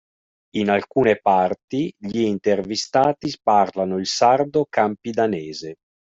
In alcune parti gli intervistati parlano il sardo campidanese.